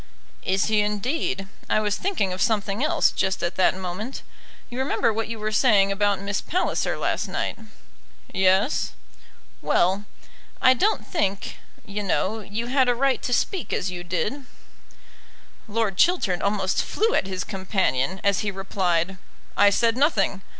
"Is he, indeed? I was thinking of something else just at that moment. You remember what you were saying about Miss Palliser last night." "Yes." "Well; I don't think, you know, you had a right to speak as you did." Lord Chiltern almost flew at his companion, as he replied, "I said nothing.